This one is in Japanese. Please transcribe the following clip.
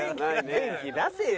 元気出せよ。